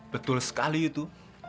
betul sekali itu